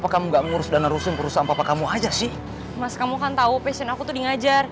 kamu harus pura pura ketakutan